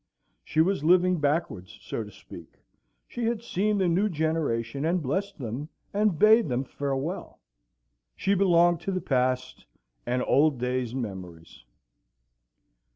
She was living backwards, so to speak. She had seen the new generation, and blessed them, and bade them farewell. She belonged to the past, and old days and memories.